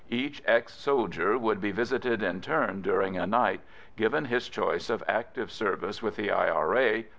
Each ex soldier would be visited in turn during a night, given his choice of active service with the I.R.A.